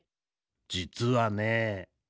じつはね。